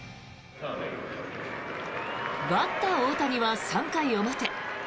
バッター・大谷は３回表。